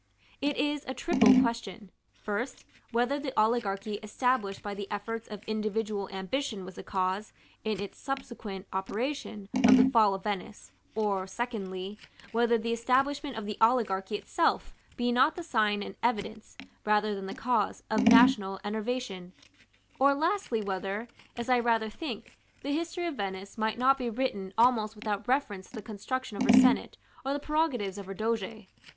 It is a triple question: first, whether the oligarchy established by the efforts of individual ambition was the cause, in its subsequent operation, of the Fall of Venice; or (secondly) whether the establishment of the oligarchy itself be not the sign and evidence, rather than the cause, of national enervation; or (lastly) whether, as I rather think, the history of Venice might not be written almost without reference to the construction of her senate or the prerogatives of her Doge.